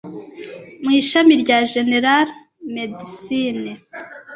Mu ishami rya General Medicine,